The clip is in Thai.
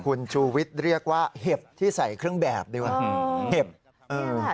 คุณชูวิทย์เรียกว่าเห็บที่ใส่เครื่องแบบด้วยว่ะ